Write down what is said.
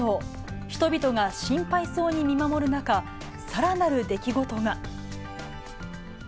人々が心配そうに見守る中、さらなる出来事が。